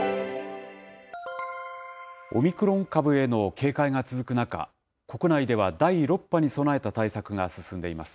オミクロン株への警戒が続く中、国内では第６波に備えた対策が進んでいます。